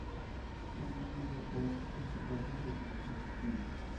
La Unión Europea es el principal socio comercial de Kenia.